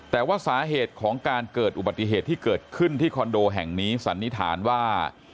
แต่ว่าสาเหตุของการเกิดอุบัติเหตุที่เกิดขึ้นที่คอนโดแห่งนี้สันนิษฐานว่า